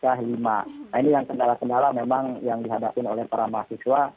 nah ini yang kendala kendala memang yang dihadapin oleh para mahasiswa